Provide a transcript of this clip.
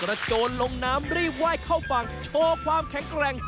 โจรลงน้ำรีบไหว้เข้าฝั่งโชว์ความแข็งแกร่ง